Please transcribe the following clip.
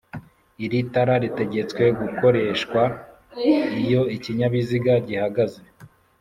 Iri tara ritegetswe gukoreshwa iyo ikinyabiziga gihagaze.